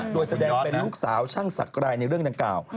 โดยแสดงเป็นลูกสาวช่างศักรายในเรื่องดังกล่าว